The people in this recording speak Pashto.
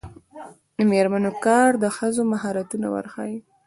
د میرمنو کار د ښځو مهارتونه ورښيي.